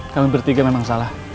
kami bertiga memang salah